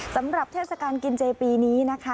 สำหรับเทศกาลกินเจปีนี้นะคะ